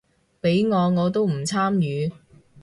畀我我都唔參與